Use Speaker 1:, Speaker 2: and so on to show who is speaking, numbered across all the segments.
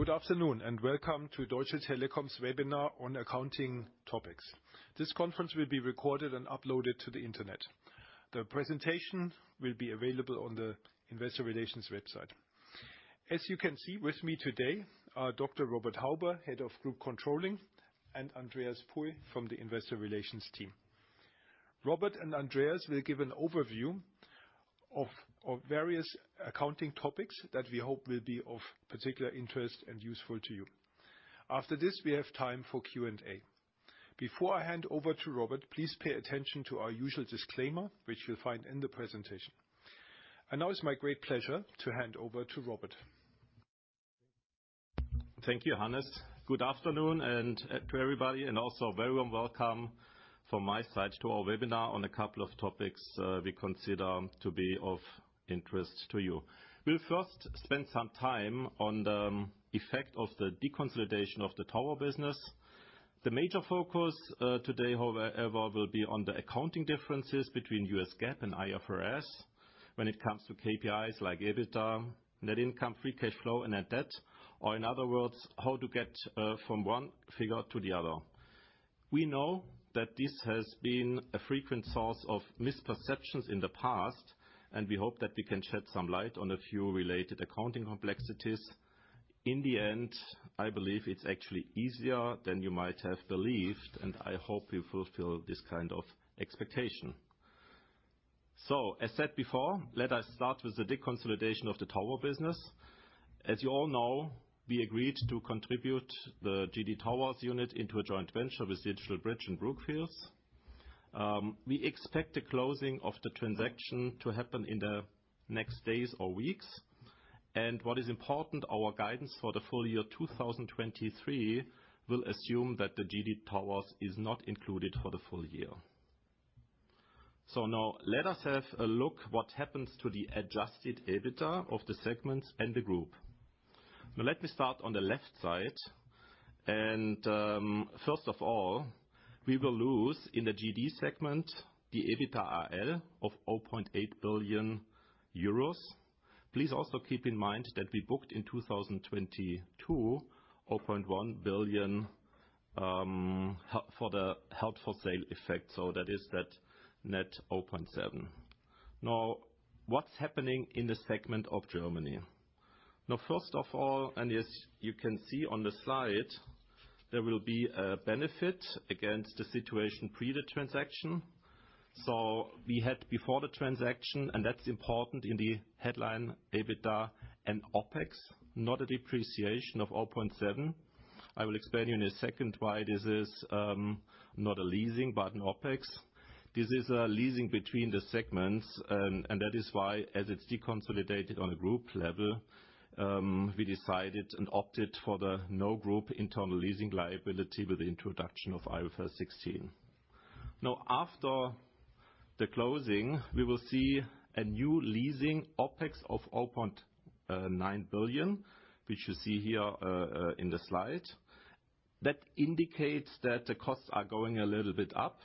Speaker 1: Good afternoon, welcome to Deutsche Telekom's webinar on accounting topics. This conference will be recorded and uploaded to the internet. The presentation will be available on the Investor Relations website. As you can see, with me today are Dr. Robert Hauber, Head of Group Controlling, and Andreas Puy from the Investor Relations team. Robert and Andreas will give an overview of various accounting topics that we hope will be of particular interest and useful to you. After this, we have time for Q&A. Before I hand over to Robert, please pay attention to our usual disclaimer, which you'll find in the presentation. Now it's my great pleasure to hand over to Robert.
Speaker 2: Thank you, Hannes. Good afternoon to everybody, and also a very warm welcome from my side to our webinar on a couple of topics we consider to be of interest to you. We'll first spend some time on the effect of the deconsolidation of the tower business. The major focus today, however, will be on the accounting differences between U.S. GAAP and IFRS when it comes to KPIs like EBITDA, net income, free cash flow and net debt, or in other words, how to get from one figure to the other. We know that this has been a frequent source of misperceptions in the past. We hope that we can shed some light on a few related accounting complexities. In the end, I believe it's actually easier than you might have believed. I hope we fulfill this kind of expectation. as said before, let us start with the deconsolidation of the tower business. As you all know, we agreed to contribute the GD Towers unit into a joint venture with DigitalBridge and Brookfield. we expect the closing of the transaction to happen in the next days or weeks. what is important, our guidance for the full year 2023 will assume that the GD Towers is not included for the full year. now let us have a look what happens to the Adjusted Core EBITDA of the segments and the group. let me start on the left side, and, first of all, we will lose in the GD segment the EBITDA AL of 0.8 billion euros. Please also keep in mind that we booked in 2022, 0.1 billion for the held-for-sale effect, that is that net open seven. What's happening in the segment of Germany? First of all, as you can see on the slide, there will be a benefit against the situation pre the transaction. We had before the transaction, that's important in the headline, EBITDA and OpEx, not a depreciation of 0.7. I will explain you in a second why this is not a leasing but an OpEx. This is a leasing between the segments, that is why, as it's deconsolidated on a group level, we decided and opted for the no group internal leasing liability with the introduction of IFRS 16. After the closing, we will see a new leasing OpEx of 0.9 billion, which you see here in the slide. That indicates that the costs are going a little bit up,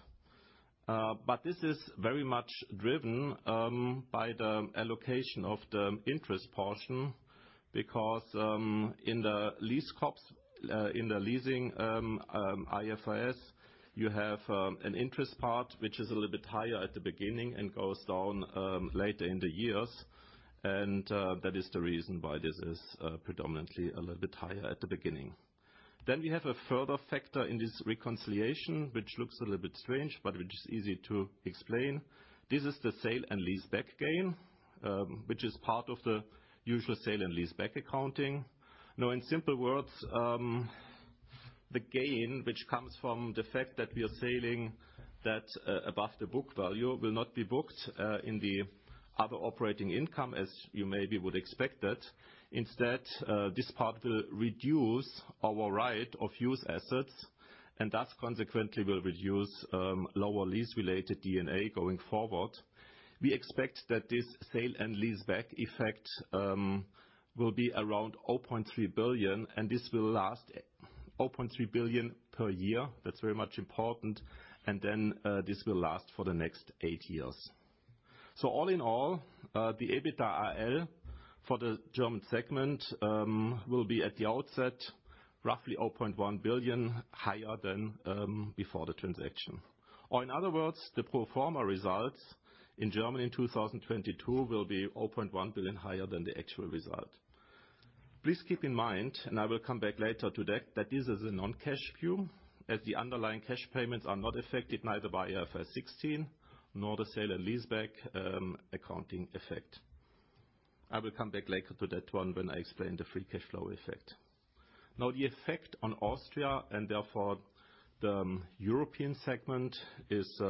Speaker 2: but this is very much driven by the allocation of the interest portion because in the leasing IFRS, you have an interest part which is a little bit higher at the beginning and goes down later in the years and that is the reason why this is predominantly a little bit higher at the beginning. We have a further factor in this reconciliation, which looks a little bit strange, but which is easy to explain. This is the sale and leaseback gain, which is part of the usual sale and leaseback accounting. In simple words, the gain, which comes from the fact that we are selling that, above the book value, will not be booked in the other operating income, as you maybe would expect it. Instead, this part will reduce our right-of-use assets, and thus consequently will reduce lower lease-related DNA going forward. We expect that this sale and leaseback effect will be around 0.3 billion, and this will last 0.3 billion per year. That's very much important. This will last for the next 8 years. All in all, the EBITDA AL for the German segment will be at the outset roughly 0.1 billion higher than before the transaction. In other words, the pro forma results in Germany in 2022 will be 0.1 billion higher than the actual result. Please keep in mind, I will come back later to that this is a non-cash view, as the underlying cash payments are not affected neither by IFRS 16 nor the sale and leaseback accounting effect. I will come back later to that one when I explain the free cash flow effect. The effect on Austria and therefore the European segment is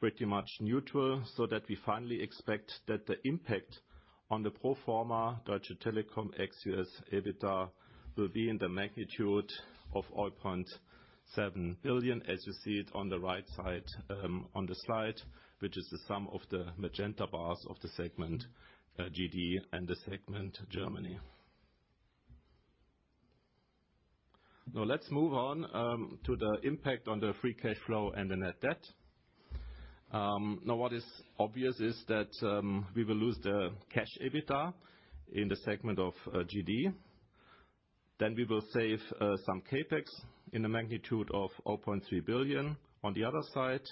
Speaker 2: pretty much neutral, so that we finally expect that the impact on the pro forma Deutsche Telekom ex U.S. EBITDA will be in the magnitude of 0.7 billion, as you see it on the right side, on the slide, which is the sum of the magenta bars of the segment, GD and the segment Germany. Let's move on to the impact on the free cash flow and the net debt. What is obvious is that we will lose the cash EBITDA in the segment of GD. We will save some CapEx in a magnitude of 0.3 billion on the other side.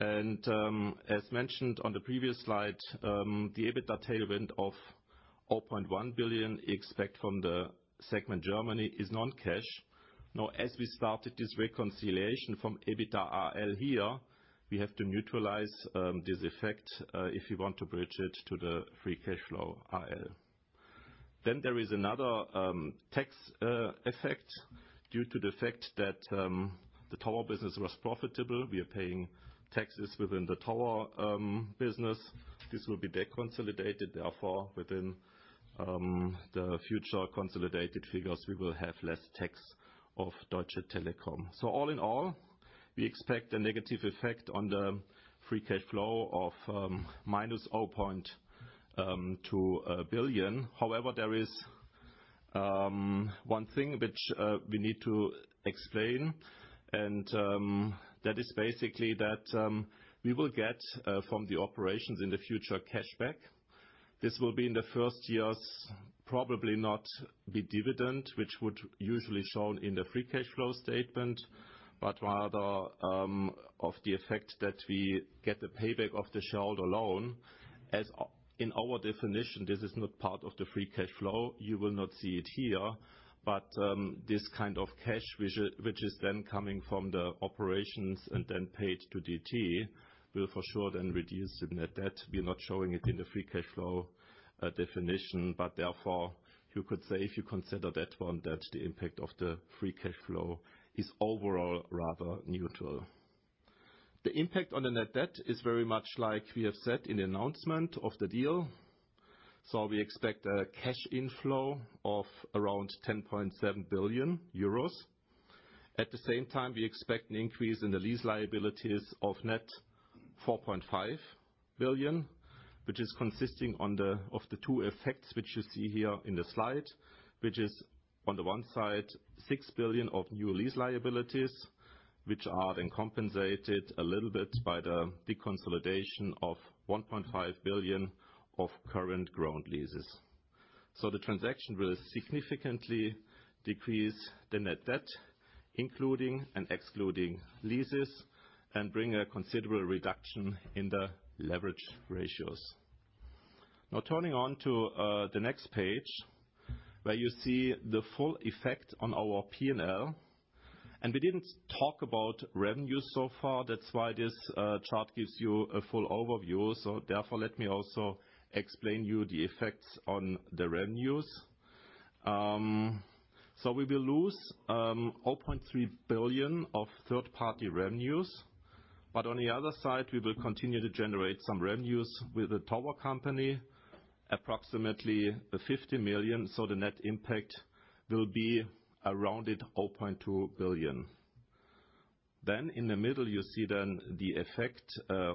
Speaker 2: As mentioned on the previous slide, the EBITDA tailwind of 0.1 billion expect from the segment Germany is non-cash. As we started this reconciliation from EBITDA AL here, we have to neutralize this effect, if you want to bridge it to the free cash flow AL. There is another tax effect due to the fact that the tower business was profitable. We are paying taxes within the tower business. This will be deconsolidated, therefore, within the future consolidated figures, we will have less tax of Deutsche Telekom. All in all, we expect a negative effect on the free cash flow of minus 0.2 billion. However, there is one thing which we need to explain, that is basically that we will get from the operations in the future cash back. This will be in the first years, probably not be dividend, which would usually shown in the free cash flow statement, but rather of the effect that we get the payback of the shareholder loan. In our definition, this is not part of the free cash flow. You will not see it here. This kind of cash which is then coming from the operations and then paid to DT will for sure then reduce the net debt. We are not showing it in the free cash flow definition. Therefore, you could say, if you consider that one, that the impact of the free cash flow is overall rather neutral. The impact on the net debt is very much like we have said in the announcement of the deal. We expect a cash inflow of around 10.7 billion euros. At the same time, we expect an increase in the lease liabilities of net 4.5 billion, which is consisting of the two effects which you see here in the slide, which is on the one side, 6 billion of new lease liabilities, which are then compensated a little bit by the deconsolidation of 1.5 billion of current ground leases. The transaction will significantly decrease the net debt, including and excluding leases, and bring a considerable reduction in the leverage ratios. Turning on to the next page, where you see the full effect on our P&L. We didn't talk about revenue so far. That's why this chart gives you a full overview. Therefore, let me also explain you the effects on the revenues. We will lose 0.3 billion of third-party revenues. On the other side, we will continue to generate some revenues with the tower company, approximately 50 million. The net impact will be around 0.2 billion. In the middle you see then the effect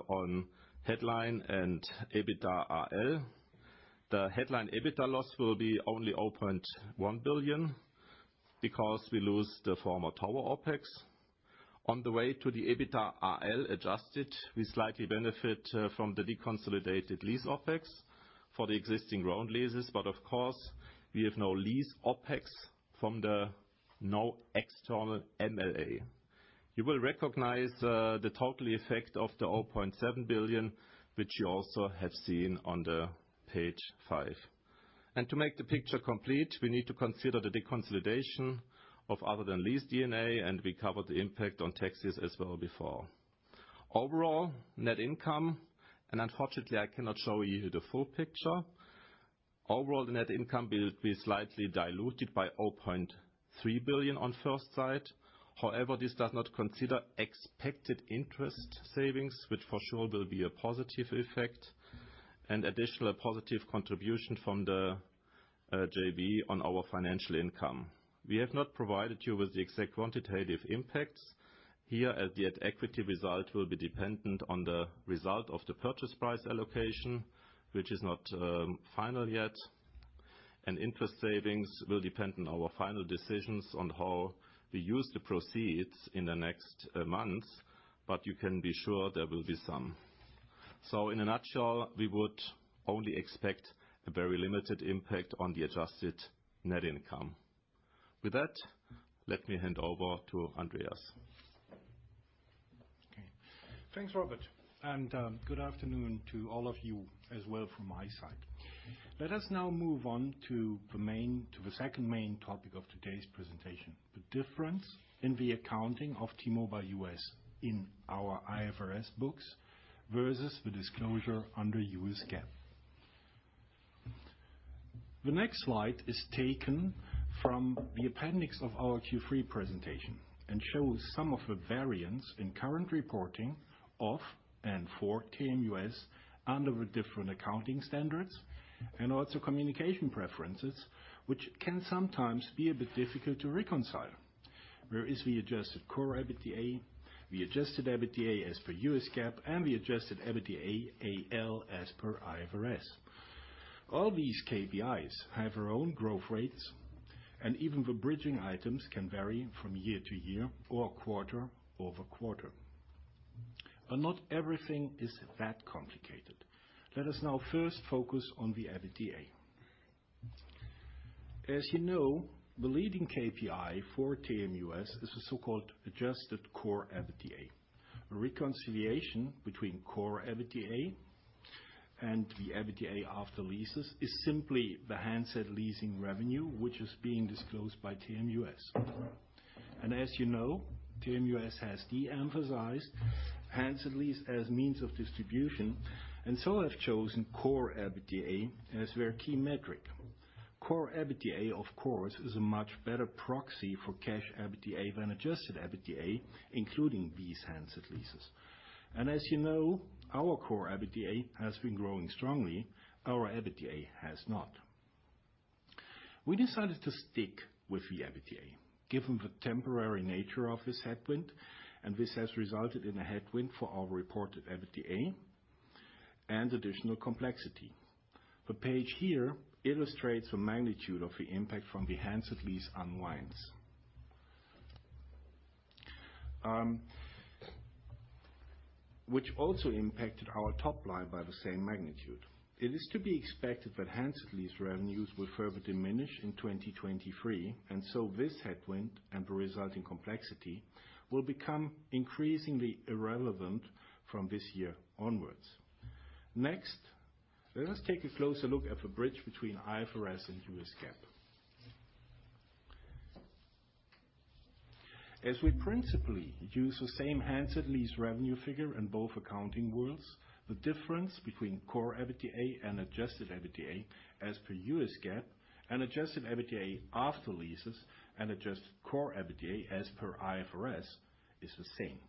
Speaker 2: on headline and EBITDA AL. The headline EBITDA loss will be only 0.1 billion because we lose the former tower OpEx. On the way to the EBITDA AL adjusted, we slightly benefit from the deconsolidated lease OpEx for the existing ground leases. Of course, we have no lease OpEx from the no external MLA. You will recognize the total effect of the 0.7 billion, which you also have seen on the page five. To make the picture complete, we need to consider the deconsolidation of other than lease DNA, and we covered the impact on taxes as well before. Overall, net income. Unfortunately, I cannot show you the full picture. Overall, the net income will be slightly diluted by 0.3 billion on first sight. However, this does not consider expected interest savings, which for sure will be a positive effect, and additional positive contribution from the JV on our financial income. We have not provided you with the exact quantitative impacts here, as the equity result will be dependent on the result of the purchase price allocation, which is not final yet. Interest savings will depend on our final decisions on how we use the proceeds in the next months. You can be sure there will be some. In a nutshell, we would only expect a very limited impact on the Adjusted Net Income. With that, let me hand over to Andreas.
Speaker 3: Okay. Thanks, Robert. Good afternoon to all of you as well from my side. Let us now move on to the second main topic of today's presentation, the difference in the accounting of T-Mobile US in our IFRS books versus the disclosure under U.S. GAAP. The next slide is taken from the appendix of our Q3 presentation and shows some of the variance in current reporting of and for TMUS under the different accounting standards and also communication preferences, which can sometimes be a bit difficult to reconcile. There is the Adjusted Core EBITDA, the Adjusted EBITDA as per U.S. GAAP, and the Adjusted EBITDA AL as per IFRS. All these KPIs have their own growth rates, and even the bridging items can vary from year-over-year or quarter-over-quarter. Not everything is that complicated. Let us now first focus on the EBITDA. As you know, the leading KPI for TMUS is the so-called Adjusted Core EBITDA. A reconciliation between Core EBITDA and the EBITDA after leases is simply the handset leasing revenue, which is being disclosed by TMUS. As you know, TMUS has de-emphasized handset lease as means of distribution, have chosen Core EBITDA as their key metric. Core EBITDA, of course, is a much better proxy for cash EBITDA than Adjusted EBITDA, including these handset leases. As you know, our Core EBITDA has been growing strongly. Our EBITDA has not. We decided to stick with the EBITDA, given the temporary nature of this headwind, this has resulted in a headwind for our reported EBITDA and additional complexity. The page here illustrates the magnitude of the impact from the handset lease unwinds. Which also impacted our top line by the same magnitude. It is to be expected that handset lease revenues will further diminish in 2023, and so this headwind and the resulting complexity will become increasingly irrelevant from this year onwards. Next, let us take a closer look at the bridge between IFRS and U.S. GAAP. As we principally use the same handset lease revenue figure in both accounting worlds, the difference between Core EBITDA and Adjusted EBITDA as per U.S. GAAP and Adjusted EBITDA after leases and Adjusted Core EBITDA as per IFRS is the same.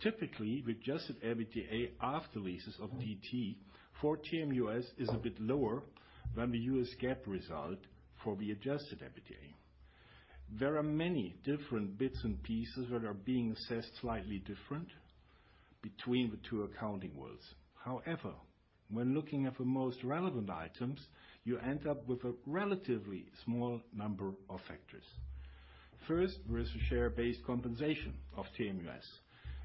Speaker 3: Typically, the Adjusted EBITDA after leases of DT for TMUS is a bit lower than the U.S. GAAP result for the Adjusted EBITDA. There are many different bits and pieces that are being assessed slightly different between the two accounting worlds. However, when looking at the most relevant items, you end up with a relatively small number of factors. First, there is the share-based compensation of TMUS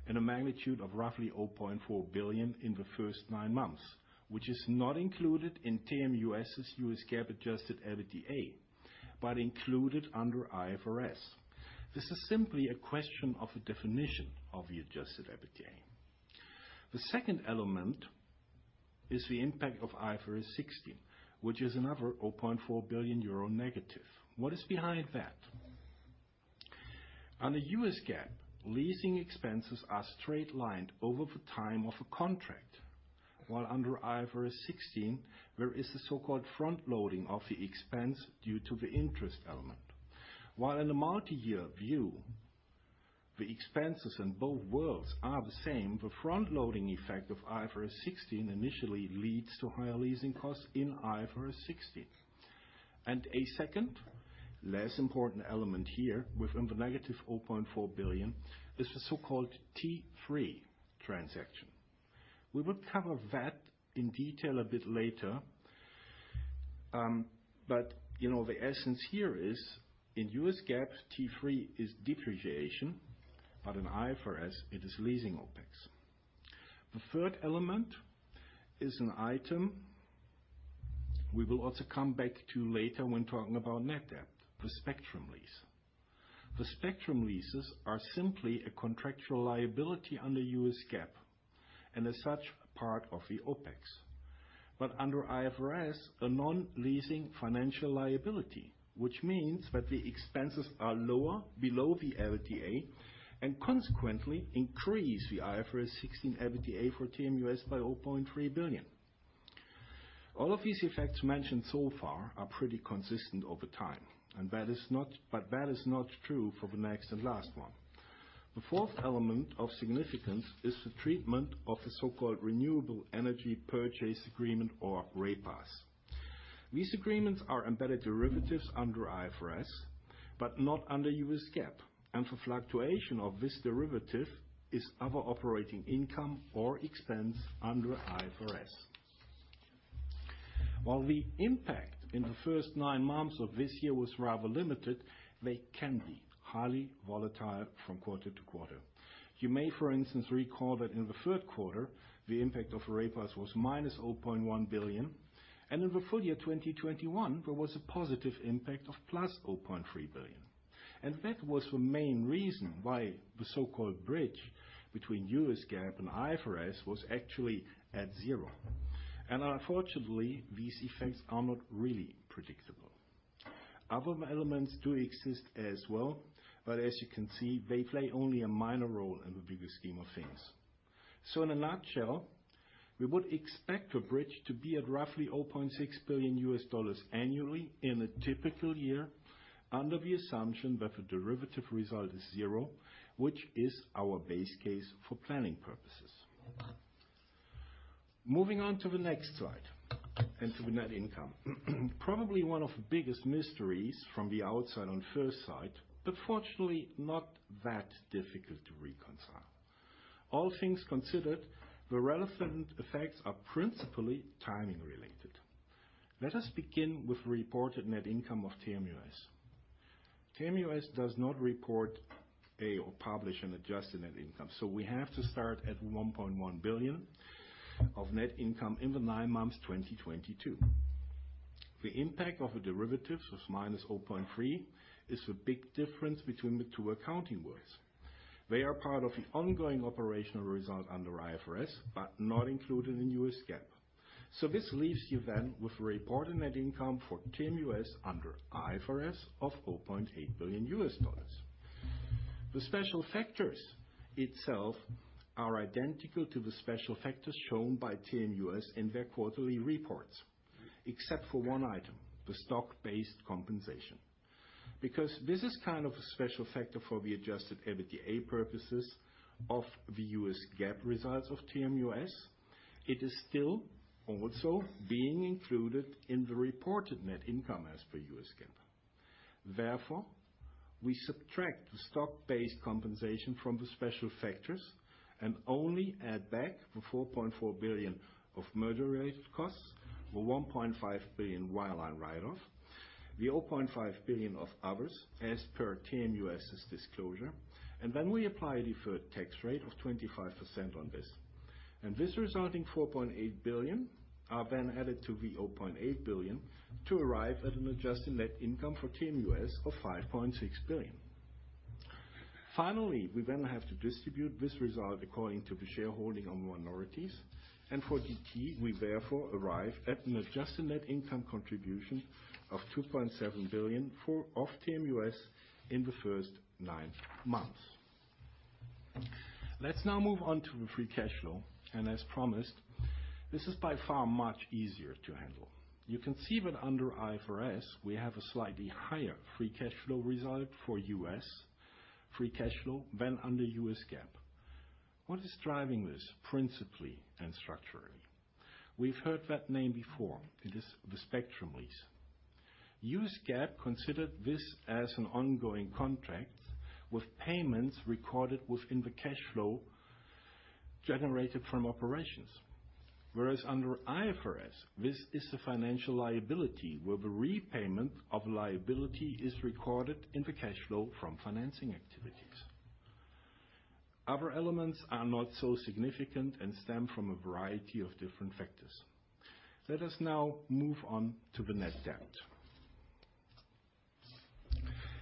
Speaker 3: in a magnitude of roughly 0.4 billion in the first nine months, which is not included in TMUS's U.S. GAAP-adjusted EBITDA, but included under IFRS. This is simply a question of the definition of the adjusted EBITDA. The second element is the impact of IFRS 16, which is another 0.4 billion euro negative. What is behind that? Under U.S. GAAP, leasing expenses are straight-lined over the time of a contract, while under IFRS 16, there is a so-called front-loading of the expense due to the interest element. While in a multi-year view, the expenses in both worlds are the same, the front-loading effect of IFRS 16 initially leads to higher lease costs in IFRS 16. A second, less important element here within the negative 0.4 billion is the so-called T3 transaction. We will cover that in detail a bit later, but you know, the essence here is in U.S. GAAP, T3 is depreciation, but in IFRS, it is leasing OpEx. The third element is an item we will also come back to later when talking about net debt, the spectrum lease. The spectrum leases are simply a contractual liability under U.S. GAAP, and as such, part of the OpEx. Under IFRS, a non-leasing financial liability, which means that the expenses are lower below the EBITDA, and consequently increase the IFRS 16 EBITDA for TMUS by $0.3 billion. All of these effects mentioned so far are pretty consistent over time, that is not true for the next and last one. The fourth element of significance is the treatment of the so-called Renewable Energy Purchase Agreement or RAPAs. These agreements are embedded derivatives under IFRS, but not under U.S. GAAP. The fluctuation of this derivative is other operating income or expense under IFRS. While the impact in the nine months of this year was rather limited, they can be highly volatile from quarter to quarter. You may, for instance, recall that in the 3rd quarter, the impact of the PPAs was -0.1 billion, and in the full year 2021, there was a positive impact of +0.3 billion. That was the main reason why the so-called bridge between U.S. GAAP and IFRS was actually at zero. Unfortunately, these effects are not really predictable. Other elements do exist as well, but as you can see, they play only a minor role in the bigger scheme of things. In a nutshell, we would expect the bridge to be at roughly $0.6 billion annually in a typical year under the assumption that the derivative result is zero, which is our base case for planning purposes. Moving on to the next slide and to the net income. Probably one of the biggest mysteries from the outside on first sight, but fortunately not that difficult to reconcile. All things considered, the relevant effects are principally timing related. Let us begin with reported net income of TMUS. TMUS does not report pay or publish an adjusted net income. We have to start at $1.1 billion of net income in the nine months 2022. The impact of a derivatives was -$0.3 billion is a big difference between the two accounting worlds. They are part of the ongoing operational result under IFRS, but not included in U.S. GAAP. This leaves you with reported net income for TMUS under IFRS of $4.8 billion. The special factors itself are identical to the special factors shown by TMUS in their quarterly reports, except for one item, the stock-based compensation. Because this is kind of a special factor for the adjusted EBITDA purposes of the U.S. GAAP results of TMUS, it is still also being included in the reported net income as per U.S. GAAP. Therefore, we subtract the stock-based compensation from the special factors and only add back the $4.4 billion of merger-related costs, the $1.5 billion wireline write-off, the $0.5 billion of others as per TMUS's disclosure. We apply a deferred tax rate of 25% on this. This resulting 4.8 billion are then added to the 0.8 billion to arrive at an Adjusted Net Income for TMUS of 5.6 billion. We have to distribute this result according to the shareholding on minorities. For DT, we therefore arrive at an Adjusted Net Income contribution of 2.7 billion of TMUS in the first 9 months. Let's now move on to the free cash flow. As promised, this is by far much easier to handle. You can see that under IFRS, we have a slightly higher free cash flow result for U.S. free cash flow than under U.S. GAAP. What is driving this principally and structurally? We've heard that name before. It is the spectrum lease. U.S. GAAP considered this as an ongoing contract with payments recorded within the cash flow generated from operations. Under IFRS, this is a financial liability, where the repayment of liability is recorded in the cash flow from financing activities. Other elements are not so significant and stem from a variety of different factors. Let us now move on to the net debt.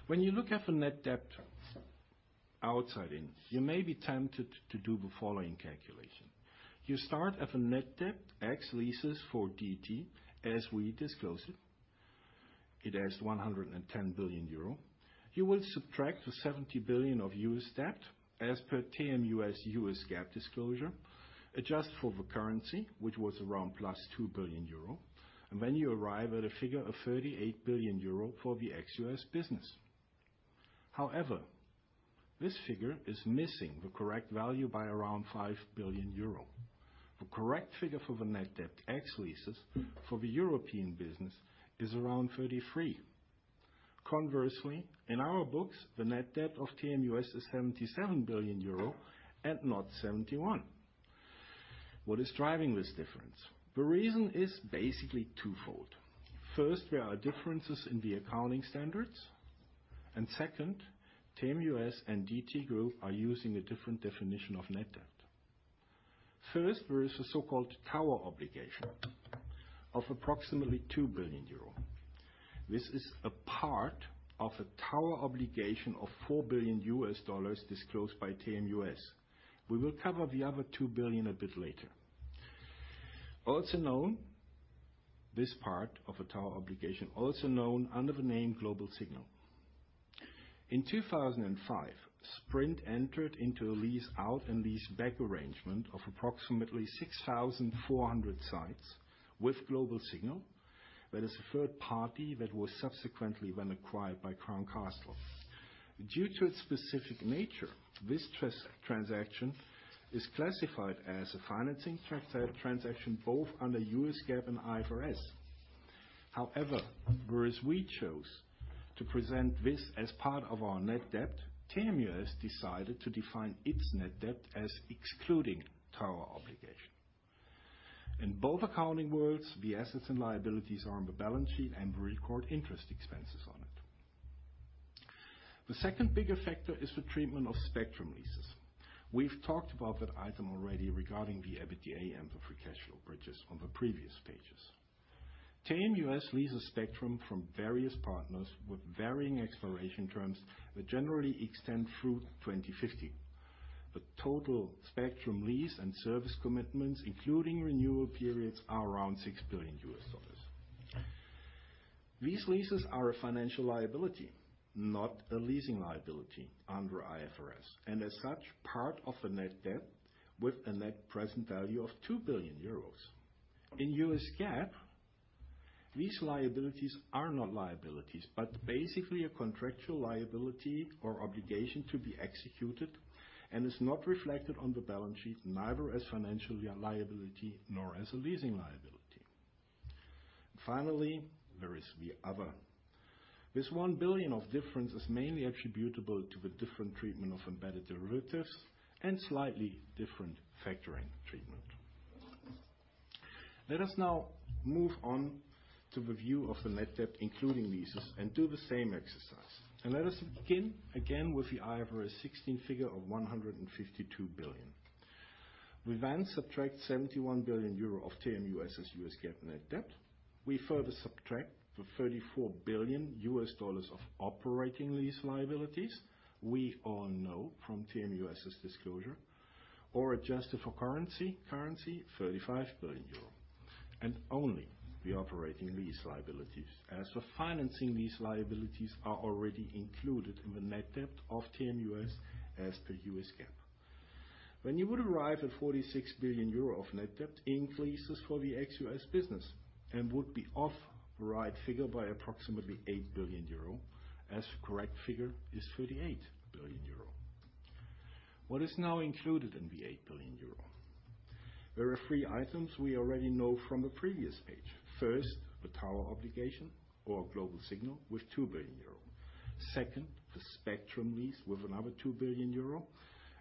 Speaker 3: When you look at the net debt outside in, you may be tempted to do the following calculation. You start at the net debt ex leases for DT as we disclose it. It has 110 billion euro. You will subtract the 70 billion of U.S. debt as per TMUS U.S. GAAP disclosure, adjust for the currency, which was around +2 billion euro. You arrive at a figure of 38 billion euro for the ex U.S. business. However, this figure is missing the correct value by around 5 billion euro. The correct figure for the net debt ex leases for the European business is around 33. Conversely, in our books, the net debt of TMUS is 77 billion euro and not 71. What is driving this difference? The reason is basically twofold. First, there are differences in the accounting standards. Second, TMUS and DT group are using a different definition of net debt. First, there is a so-called tower obligation of approximately 2 billion euro. This is a part of a tower obligation of $4 billion disclosed by TMUS. We will cover the other 2 billion a bit later. Also known, this part of a tower obligation, also known under the name Global Signal. In 2005, Sprint entered into a lease out and lease back arrangement of approximately 6,400 sites with Global Signal. That is a third party that was subsequently then acquired by Crown Castle. Due to its specific nature, this transaction is classified as a financing transaction, both under US GAAP and IFRS. However, whereas we chose to present this as part of our net debt, TMUS decided to define its net debt as excluding tower obligation. In both accounting worlds, the assets and liabilities are on the balance sheet and we record interest expenses on it. The second bigger factor is the treatment of spectrum leases. We've talked about that item already regarding the EBITDA and the free cash flow bridges on the previous pages. TMUS leases spectrum from various partners with varying expiration terms that generally extend through 2050. The total spectrum lease and service commitments, including renewal periods, are around $6 billion. These leases are a financial liability, not a leasing liability under IFRS, and as such, part of the net debt with a net present value of 2 billion euros. In U.S. GAAP, these liabilities are not liabilities, but basically a contractual liability or obligation to be executed and is not reflected on the balance sheet, neither as financial liability nor as a leasing liability. There is the other. This 1 billion of difference is mainly attributable to the different treatment of embedded derivatives and slightly different factoring treatment. Let us now move on to the view of the net debt, including leases, and do the same exercise. Let us begin again with the IFRS 16 figure of 152 billion. We then subtract 71 billion euro of TMUS's U.S. GAAP net debt. We further subtract the $34 billion of operating lease liabilities we all know from TMUS's disclosure, or adjusted for currency, 35 billion euro, and only the operating lease liabilities. As for financing, these liabilities are already included in the net debt of TMUS as per U.S. GAAP. When you would arrive at 46 billion euro of net debt increases for the ex U.S. business and would be off the right figure by approximately 8 billion euro, as correct figure is 38 billion euro. What is now included in the 8 billion euro? There are three items we already know from the previous page. First, the tower obligation or Global Signal with 2 billion euro. Second, the spectrum lease with another 2 billion euro.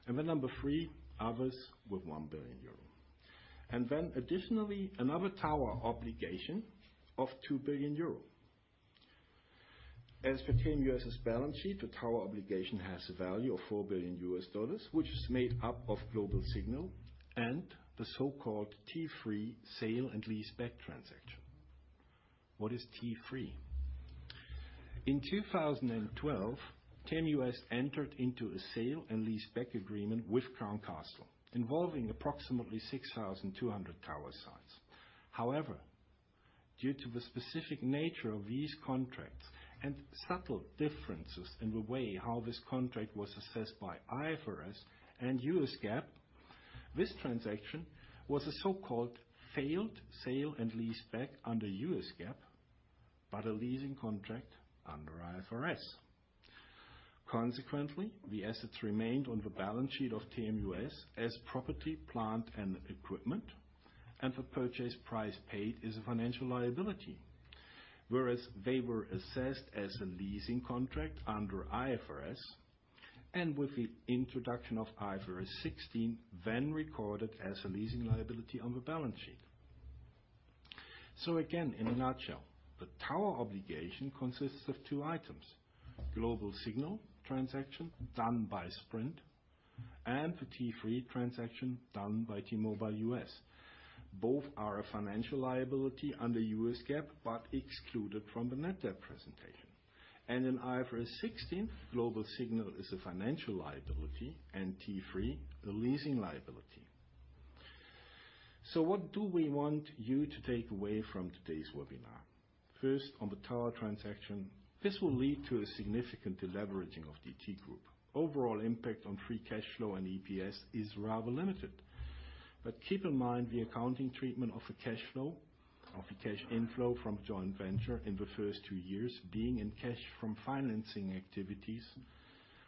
Speaker 3: The number three, others with 1 billion euro. Additionally, another tower obligation of 2 billion euro. As for TMUS's balance sheet, the tower obligation has a value of $4 billion U.S. dollars, which is made up of Global Signal and the so-called T3 sale and leaseback transaction. What is T3? In 2012, TMUS entered into a sale and leaseback agreement with Crown Castle, involving approximately 6,200 tower sites. Due to the specific nature of these contracts and subtle differences in the way how this contract was assessed by IFRS and U.S. GAAP, this transaction was a so-called failed sale and leaseback under U.S. GAAP, but a leasing contract under IFRS. The assets remained on the balance sheet of TMUS as property, plant, and equipment, and the purchase price paid is a financial liability. Whereas they were assessed as a leasing contract under IFRS and with the introduction of IFRS 16, then recorded as a leasing liability on the balance sheet. Again, in a nutshell, the tower obligation consists of two items: Global Signal transaction done by Sprint and the T3 transaction done by T-Mobile US. Both are a financial liability under U.S. GAAP, but excluded from the net debt presentation. In IFRS 16, Global Signal is a financial liability and T3 the leasing liability. What do we want you to take away from today's webinar? First, on the tower transaction, this will lead to a significant deleveraging of DT group. Overall impact on free cash flow and EPS is rather limited. Keep in mind the accounting treatment of the cash flow, of the cash inflow from joint venture in the first two years being in cash from financing activities.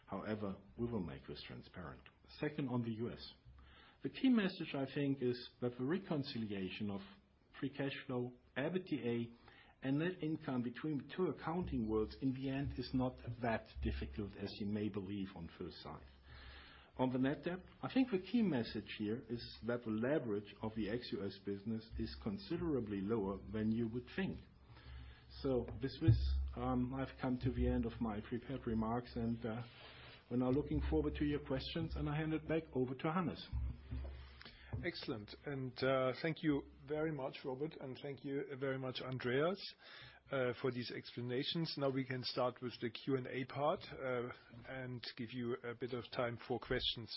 Speaker 3: However, we will make this transparent. Second, on the U.S. The key message, I think, is that the reconciliation of free cash flow, EBITDA, and net income between the two accounting worlds in the end is not that difficult as you may believe on first sight. On the net debt, I think the key message here is that the leverage of the ex U.S. business is considerably lower than you would think. This was, I've come to the end of my prepared remarks, and we're now looking forward to your questions, and I hand it back over to Hannes.
Speaker 1: Excellent. Thank you very much, Robert, and thank you very much, Andreas, for these explanations. Now we can start with the Q&A part and give you a bit of time for questions.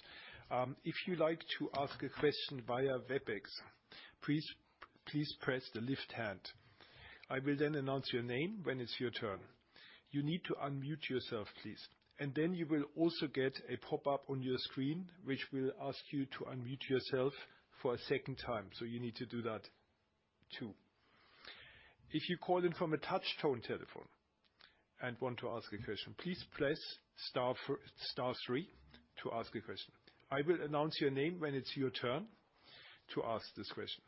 Speaker 1: If you like to ask a question via Webex, please press the lift hand. I will then announce your name when it's your turn. You need to unmute yourself, please. You will also get a pop-up on your screen, which will ask you to unmute yourself for a second time. You need to do that, too. If you call in from a touch tone telephone and want to ask a question, please press star three to ask a question. I will announce your name when it's your turn to ask this question.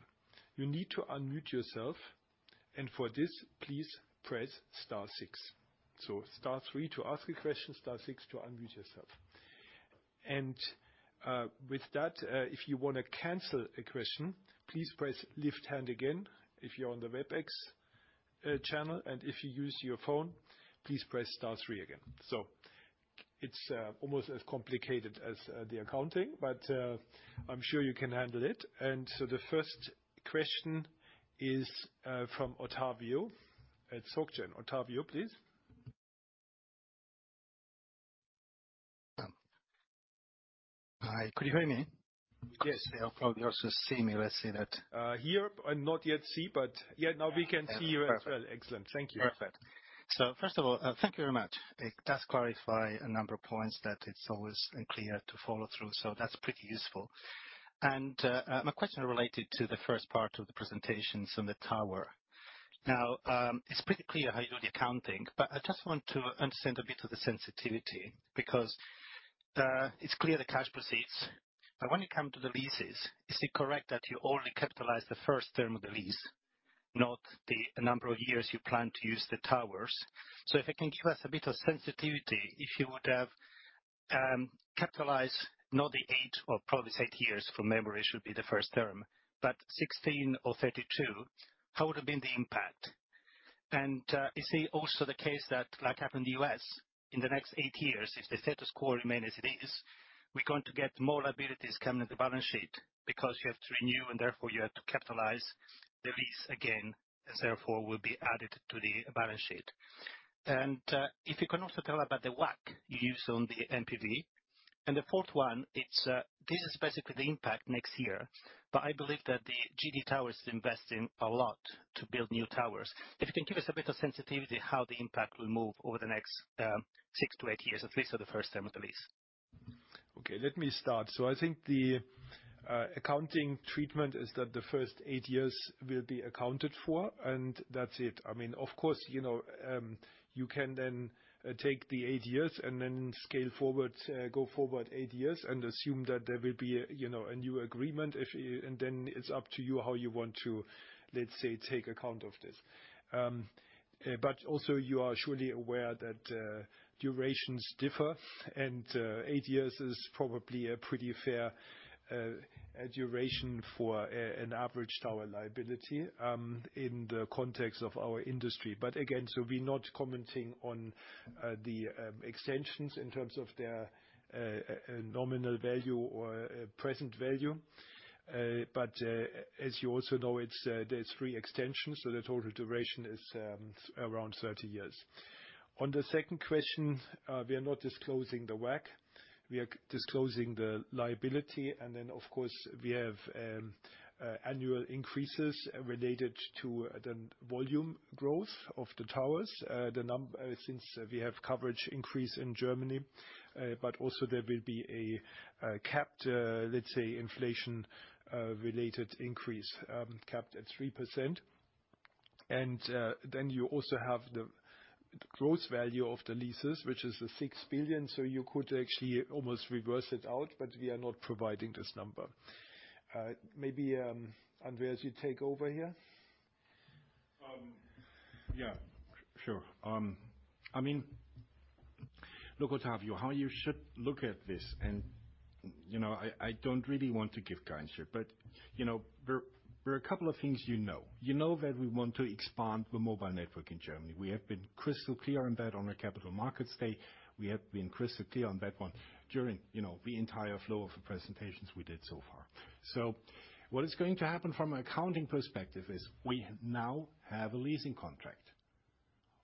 Speaker 1: You need to unmute yourself, and for this, please press star six. Star 3 to ask a question, star 6 to unmute yourself. With that, if you wanna cancel a question, please press lift hand again, if you're on the Webex, channel, and if you use your phone, please press star 3 again. It's almost as complicated as the accounting, but I'm sure you can handle it. The first question is from Ottavio at SocGen. Ottavio, please.
Speaker 4: Hi, could you hear me?
Speaker 1: Yes.
Speaker 4: I hope you also see me. Let's say that.
Speaker 1: Here I not yet see, but yeah, now we can see you as well.
Speaker 4: Yeah, perfect.
Speaker 1: Excellent. Thank you.
Speaker 4: Perfect. First of all, thank you very much. It does clarify a number of points that it's always unclear to follow through, so that's pretty useful. My question related to the first part of the presentations on the tower. Now, it's pretty clear how you do the accounting, but I just want to understand a bit of the sensitivity because, it's clear the cash proceeds. When you come to the leases, is it correct that you only capitalize the first term of the lease, not the number of years you plan to use the towers? If you can give us a bit of sensitivity, if you would have capitalized not the eight or probably it's eight years from memory should be the first term, but 16 or 32, how would have been the impact? Is it also the case that like happened in the U.S., in the next eight years, if the status quo remain as it is, we're going to get more liabilities coming into the balance sheet because you have to renew, and therefore you have to capitalize the lease again, and therefore will be added to the balance sheet. If you can also tell us about the WACC you use on the NPV? The fourth one, this is basically the impact next year, but I believe that GD Towers is investing a lot to build new towers. If you can give us a bit of sensitivity how the impact will move over the next 6-8 years, at least for the first term of the lease?
Speaker 1: Let me start. I think the accounting treatment is that the first eight years will be accounted for, and that's it. I mean, of course, you know, you can take the eight years and scale forward, go forward eight years and assume that there will be a, you know, a new agreement if and it's up to you how you want to, let's say, take account of this. Also you are surely aware that durations differ and eight years is probably a pretty fair duration for an average tower liability in the context of our industry. Again, we're not commenting on the extensions in terms of their nominal value or present value. As you also know, it's, there's free extensions, the total duration is around 30 years. On the second question, we are not disclosing the WACC. We are disclosing the liability. Of course, we have annual increases related to the volume growth of the towers. Since we have coverage increase in Germany, also there will be a capped, let's say, inflation related increase, capped at 3%. You also have the growth value of the leases, which is the 6 billion. You could actually almost reverse it out, but we are not providing this number. Maybe, Andreas, you take over here.
Speaker 3: I mean, look, Ottavio, how you should look at this, and, you know, I don't really want to give guidance here, but, you know, there are a couple of things you know. You know that we want to expand the mobile network in Germany. We have been crystal clear on that on our Capital Markets Day. We have been crystal clear on that one during, you know, the entire flow of presentations we did so far. What is going to happen from an accounting perspective is we now have a leasing contract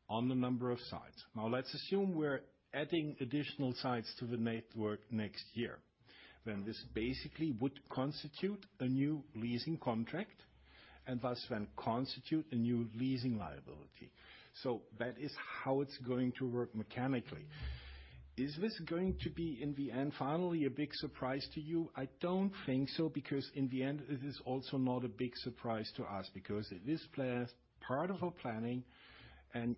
Speaker 3: on the number of sites. Let's assume we're adding additional sites to the network next year, then this basically would constitute a new leasing contract and thus then constitute a new leasing liability. That is how it's going to work mechanically. Is this going to be, in the end, finally a big surprise to you? I don't think so, because in the end, it is also not a big surprise to us because it is part of our planning. You know that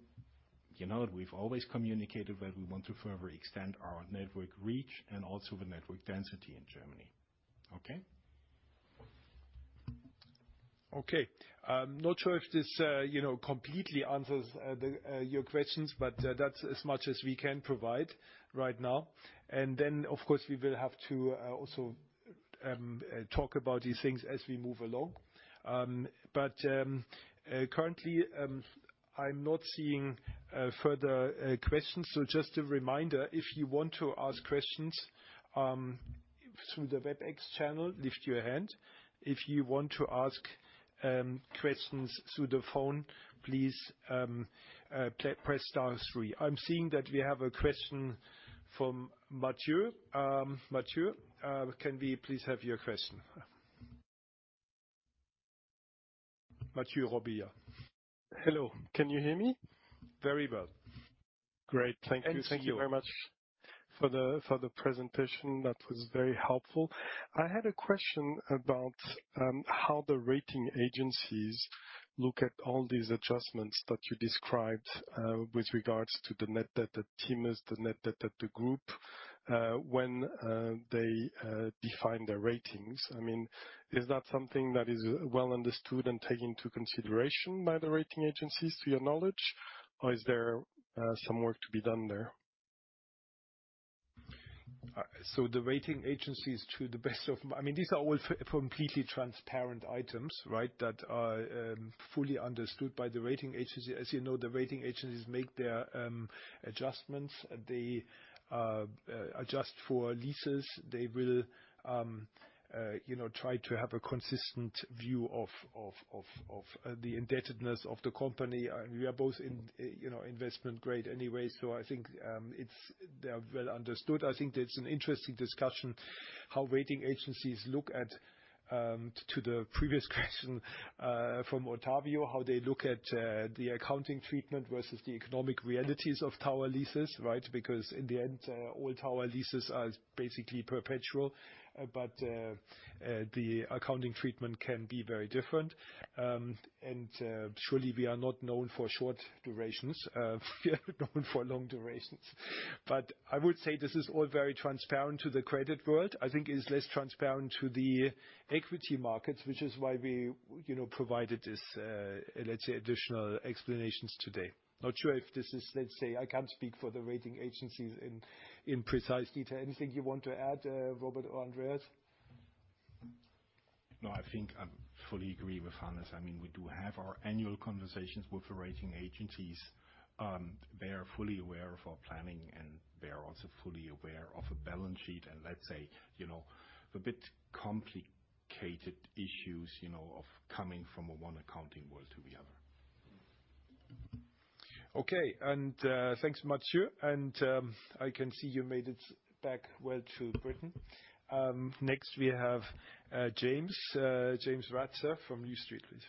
Speaker 3: we've always communicated that we want to further extend our network reach and also the network density in Germany. Okay?
Speaker 1: Okay. I'm not sure if this, you know, completely answers, the, your questions, but, that's as much as we can provide right now. Of course, we will have to, also, talk about these things as we move along. Currently, I'm not seeing, further, questions. Just a reminder, if you want to ask questions, through the Webex channel, lift your hand. If you want to ask, questions through the phone, please, press star three. I'm seeing that we have a question from Mathieu. Mathieu, can we please have your question? Mathieu Robilliard.
Speaker 5: Hello. Can you hear me?
Speaker 1: Very well.
Speaker 5: Great. Thank you.
Speaker 1: Thank you.
Speaker 5: Thank you very much for the presentation. That was very helpful. I had a question about how the rating agencies look at all these adjustments that you described with regards to the net debt at TMUS, the net debt at the group, when they define their ratings. I mean, is that something that is well understood and taken into consideration by the rating agencies to your knowledge, or is there some work to be done there?
Speaker 1: The rating agencies I mean, these are all completely transparent items, right? That are fully understood by the rating agency. As you know, the rating agencies make their adjustments. They adjust for leases. They will, you know, try to have a consistent view of the indebtedness of the company. We are both in, you know, investment grade anyway, so I think they are well understood. I think that's an interesting discussion, how rating agencies look at to the previous question from Ottavio, how they look at the accounting treatment versus the economic realities of tower leases, right? In the end, all tower leases are basically perpetual. The accounting treatment can be very different. Surely we are not known for short durations. We are known for long durations. I would say this is all very transparent to the credit world. I think it is less transparent to the equity markets, which is why we, you know, provided this, let's say, additional explanations today. Not sure if this is, let's say, I can't speak for the rating agencies in precise detail. Anything you want to add, Robert or Andreas?
Speaker 3: No, I think I fully agree with Hannes. I mean, we do have our annual conversations with the rating agencies. They are fully aware of our planning, and they are also fully aware of a balance sheet and let's say, you know, a bit complicated issues, you know, of coming from one accounting world to the other.
Speaker 1: Okay. Thanks much, Hugh. I can see you made it back well to Britain. Next we have James Ratzer from New Street, please.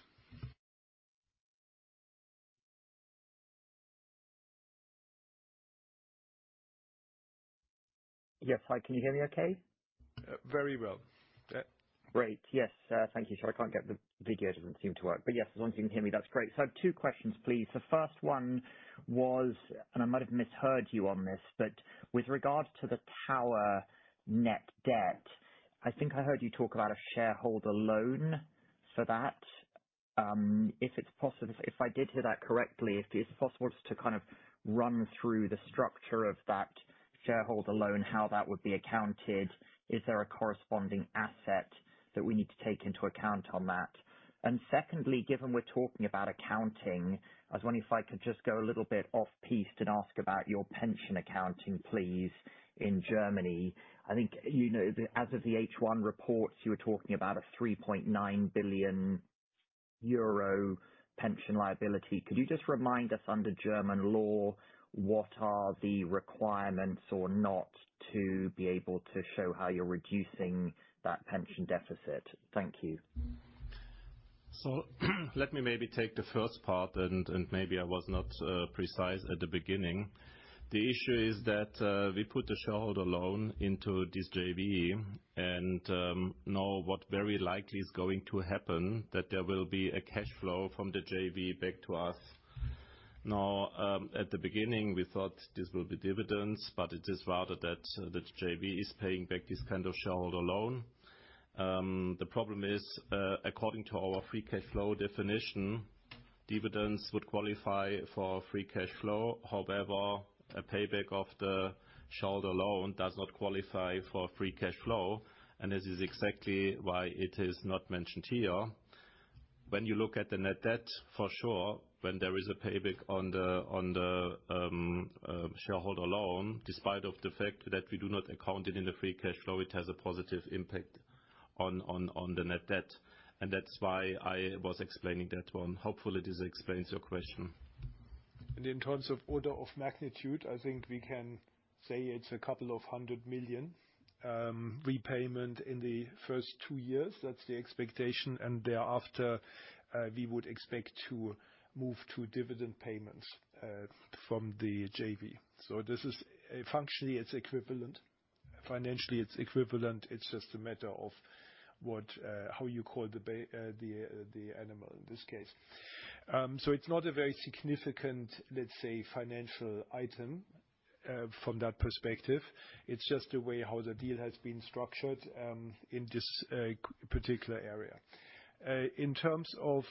Speaker 6: Yes. Hi, can you hear me okay?
Speaker 1: Very well. Yeah.
Speaker 6: Great. Yes, thank you. Sorry, I can't get the video. It doesn't seem to work. Yes, as long as you can hear me, that's great. Two questions, please. The first one was, and I might have misheard you on this, but with regard to the tower net debt, I think I heard you talk about a shareholder loan for that. If it's possible, if I did hear that correctly, if it's possible just to kind of run through the structure of that shareholder loan, how that would be accounted. Is there a corresponding asset that we need to take into account on that? Secondly, given we're talking about accounting, I was wondering if I could just go a little bit off-piste and ask about your pension accounting, please, in Germany. I think, you know, as of the H1 reports, you were talking about a 3.9 billion euro pension liability. Could you just remind us, under German law, what are the requirements or not to be able to show how you're reducing that pension deficit? Thank you.
Speaker 2: Let me maybe take the first part, and maybe I was not precise at the beginning. The issue is that we put the shareholder loan into this JV and now what very likely is going to happen, that there will be a cash flow from the JV back to us. At the beginning, we thought this will be dividends, but it is rather that the JV is paying back this kind of shareholder loan. The problem is, according to our free cash flow definition, dividends would qualify for free cash flow. However, a payback of the shareholder loan does not qualify for free cash flow, and this is exactly why it is not mentioned here. When you look at the net debt, for sure, when there is a payback on the, on the shareholder loan, despite of the fact that we do not account it in the free cash flow, it has a positive impact on the net debt. That's why I was explaining that one. Hopefully this explains your question.
Speaker 1: In terms of order of magnitude, I think we can say it's a EUR couple of hundred million repayment in the first two years. That's the expectation. Thereafter, we would expect to move to dividend payments from the JV. This is functionally equivalent. Financially, it's equivalent. It's just a matter of what, how you call the animal in this case. It's not a very significant, let's say, financial item from that perspective. It's just the way how the deal has been structured in this particular area. In terms of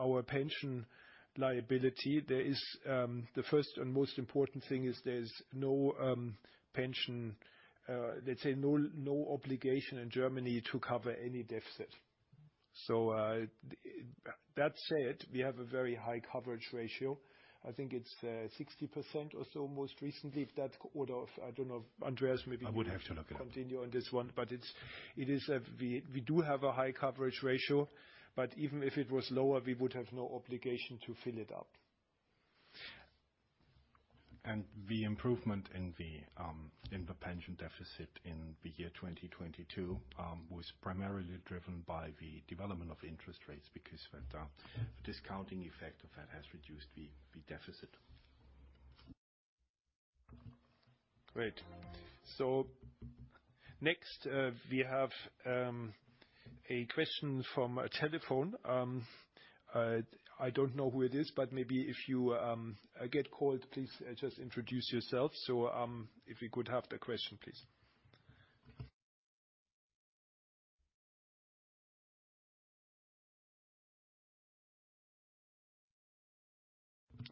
Speaker 1: our pension liability, there is the first and most important thing is there's no pension, let's say no obligation in Germany to cover any deficit. That said, we have a very high coverage ratio. I think it's 60% or so most recently. If that order of, I don't know, Andreas.
Speaker 3: I would have to look it up.
Speaker 1: continue on this one. it's, it is we do have a high coverage ratio. Even if it was lower, we would have no obligation to fill it up.
Speaker 3: The improvement in the pension deficit in the year 2022 was primarily driven by the development of interest rates, because the discounting effect of that has reduced the deficit.
Speaker 1: Great. Next, we have a question from a telephone. I don't know who it is, but maybe if you get called, please, just introduce yourself. If we could have the question, please.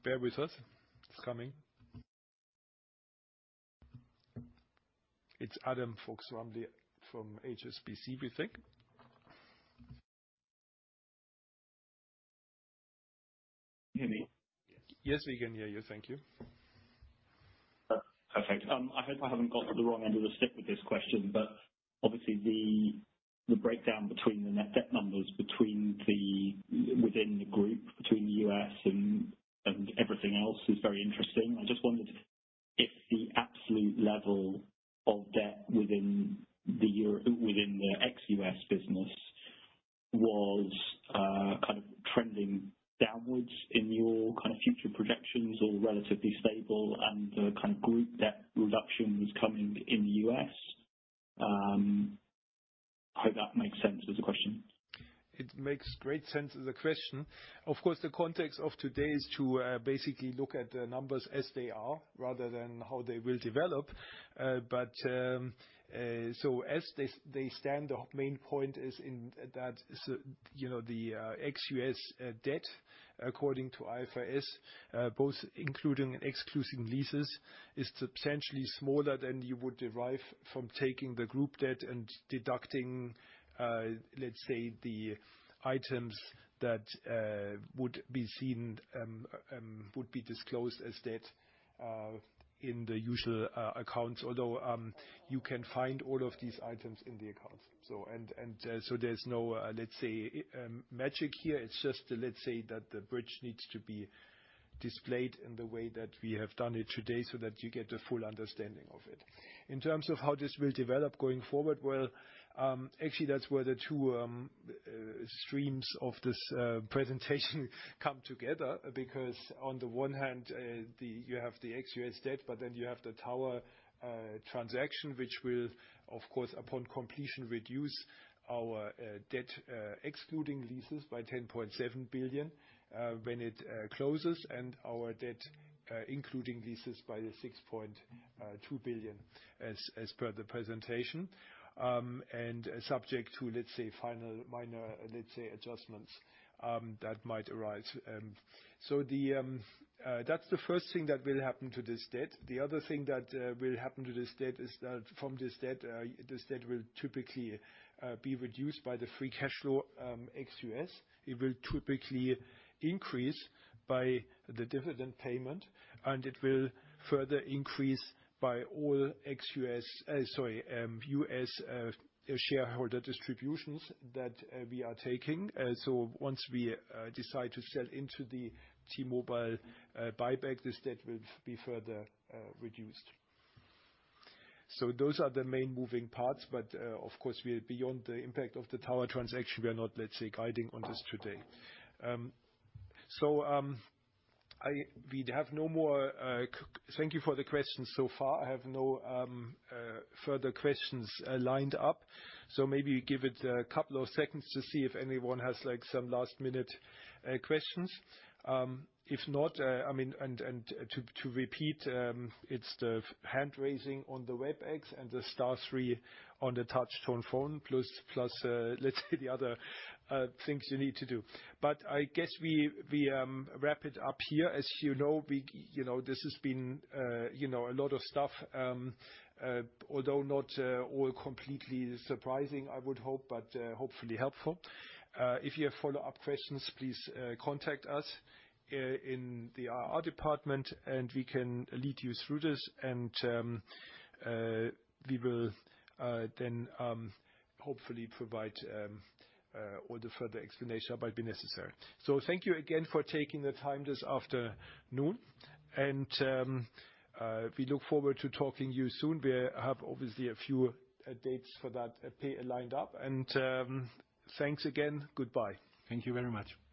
Speaker 1: Bear with us. It's coming. It's Adam Fox-Rumley from HSBC, we think.
Speaker 7: Can you hear me?
Speaker 1: Yes, we can hear you. Thank you.
Speaker 7: Perfect. I hope I haven't got the wrong end of the stick with this question, but obviously the breakdown between the net debt numbers between the group, between the U.S. and everything else is very interesting. I just wondered if the absolute level of debt within the ex-U.S. business was kind of trending downwards in your kind of future projections or relatively stable and the kind of group debt reduction was coming in the U.S. I hope that makes sense as a question.
Speaker 1: It makes great sense as a question. Of course, the context of today is to basically look at the numbers as they are, rather than how they will develop. As they stand, the main point is in that, you know, the ex-U.S. debt, according to IFRS, both including and excluding leases, is substantially smaller than you would derive from taking the Group debt and deducting, let's say, the items that would be seen, would be disclosed as debt, in the usual accounts. You can find all of these items in the accounts. There's no, let's say, magic here. It's just, let's say that the bridge needs to be displayed in the way that we have done it today, so that you get a full understanding of it. In terms of how this will develop going forward, well, actually, that's where the two streams of this presentation come together. On the one hand, you have the ex-U.S. debt, but then you have the tower transaction, which will, of course, upon completion, reduce our debt excluding leases by 10.7 billion when it closes, and our debt including leases by 6.2 billion, as per the presentation. Subject to, let's say final minor, let's say, adjustments that might arise. That's the first thing that will happen to this debt. The other thing that will happen to this debt is that from this debt, this debt will typically be reduced by the free cash flow ex-U.S. It will typically increase by the dividend payment, and it will further increase by all ex-U.S. sorry, U.S. shareholder distributions that we are taking. Once we decide to sell into the T-Mobile buyback, this debt will be further reduced. Those are the main moving parts, but of course we are beyond the impact of the tower transaction. We are not, let's say, guiding on this today. We have no more. Thank you for the questions so far. I have no further questions lined up, so maybe give it a couple of seconds to see if anyone has, like, some last-minute questions. If not, I mean, and to repeat, it's the hand-raising on the Webex and the star 3 on the touchtone phone, plus let's say the other things you need to do. I guess we wrap it up here. As you know, we, you know, this has been, you know, a lot of stuff. Although not all completely surprising, I would hope, but hopefully helpful. If you have follow-up questions, please contact us in the IR department and we can lead you through this. We will then hopefully provide all the further explanation that might be necessary. Thank you again for taking the time this afternoon and we look forward to talking to you soon. We have obviously a few dates for that lined up. Thanks again. Goodbye.
Speaker 7: Thank you very much.
Speaker 1: Goodbye.